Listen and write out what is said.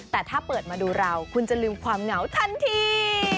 แต่ถ้าเปิดมาดูเราคุณจะลืมความเหงาทันที